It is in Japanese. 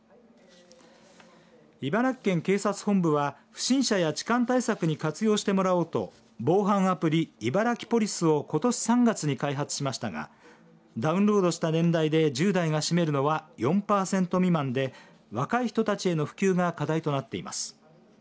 茨城県警察本部は不審者や痴漢対策に活用してもらおうと防犯アプリ、いばらきポリスをことし３月に開発しましたがダウンロードした年代で１０代が占めるのは４パーセント未満で若い人たちへの普及が課題となっています。